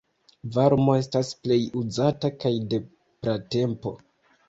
Varmo estas plej uzata, kaj de pratempo.